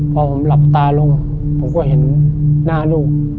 พอผมหลับตาลงผมก็เห็นหน้าลูก